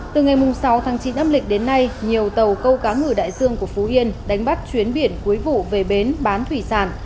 từ ngày sáu tháng chín âm lịch đến nay nhiều tàu câu cá ngừ đại dương của phú yên đánh bắt chuyến biển cuối vụ về bến bán thủy sản